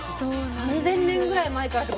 ３，０００年ぐらい前からってことですよね？